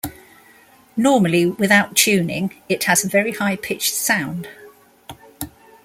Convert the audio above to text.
Normally, without tuning, it has a very high pitched sound.